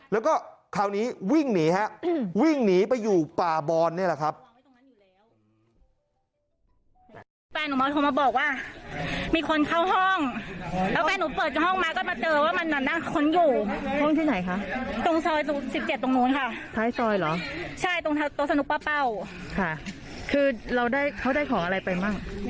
แล้วก็คราวนี้วิ่งหนีฮะวิ่งหนีไปอยู่ป่าบอนนี่แหละครับ